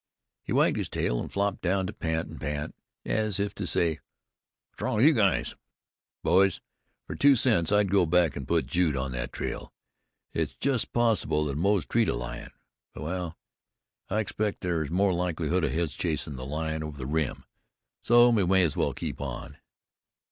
He wagged his tail, and flopped down to pant and pant, as if to say: "What's wrong with you guys?" "Boys, for two cents I'd go back and put Jude on that trail. It's just possible that Moze treed a lion. But well, I expect there's more likelihood of his chasing the lion over the rim; so we may as well keep on.